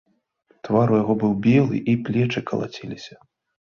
Твар яго быў белы, і плечы калаціліся.